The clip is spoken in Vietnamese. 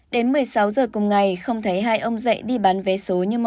đến một mươi sáu giờ cùng ngày không thấy hai ông dậy đi bán vé số như mọi ngày